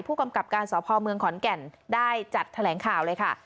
ผู้กำกับการสพเมืองขอนแก่นได้จัดแถลงข่าวเลยค่ะ